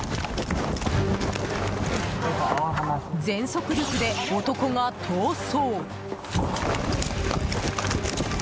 全速力で男が逃走！